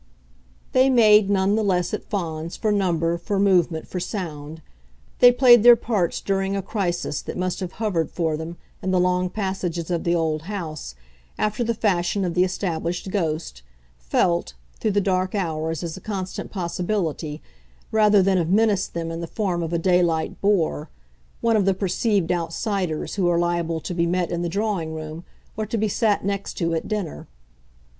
They made, none the less, at Fawns, for number, for movement, for sound they played their parts during a crisis that must have hovered for them, in the long passages of the old house, after the fashion of the established ghost, felt, through the dark hours as a constant possibility, rather than have menaced them in the form of a daylight bore, one of the perceived outsiders who are liable to be met in the drawing room or to be sat next to at dinner.